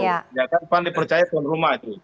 ya kan pan dipercaya itu rumah itu